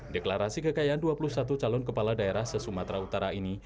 deklarasi kekayaan dua puluh satu calon kepala daerah se sumatera utara ini